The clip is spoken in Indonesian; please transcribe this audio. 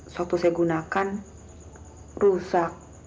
saat saya gunakan rusak